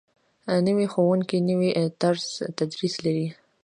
نوی ښوونکی نوی طرز تدریس لري